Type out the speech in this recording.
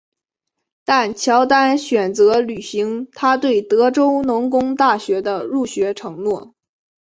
但乔丹选择履行他对德州农工大学的入学承诺。